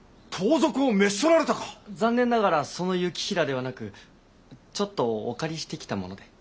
残念ながらその行平ではなくちょっとお借りしてきたもので。